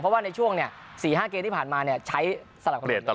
เพราะว่าในช่วงเนี่ย๔๕เกมที่ผ่านมาเนี่ยใช้สำหรับคนอื่น